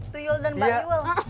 tuyul dan baryul